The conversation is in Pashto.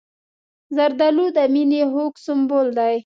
زردالو د مینې خوږ سمبول دی.